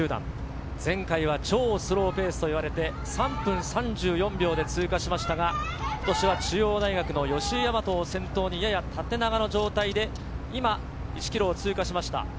先頭集団、前回は超スローペースと言われて、３分３４秒で通過しましたが、今年は中央大学の吉居大和を先頭にやや縦長の状態で今、１ｋｍを通過しました。